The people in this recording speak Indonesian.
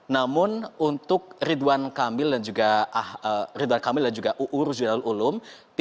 namun untuk ridwan kamil dan juga uu ruzjanul ulum